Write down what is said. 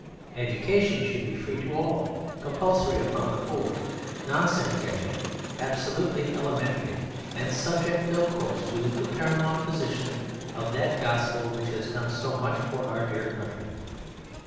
Education should be free to all, compulsory upon the poor, non sectarian, absolutely elementary, and subject, of course, to the paramount position of that gospel which has done so much for our dear country.